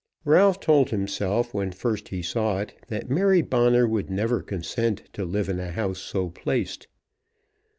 Ralph told himself when he first saw it that Mary Bonner would never consent to live in a house so placed.